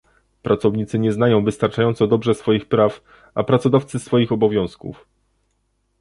Pracownicy nie znają wystarczająco dobrze swoich praw, a pracodawcy swoich obowiązków